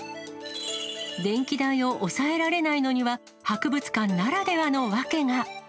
電気代を抑えられないのには、博物館ならではの訳が。